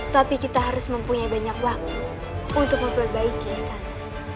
tapi kita harus mempunyai banyak waktu untuk memperbaiki istana